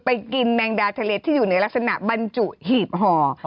กินแมงดาทะเลที่อยู่ในลักษณะบรรจุหีบห่อ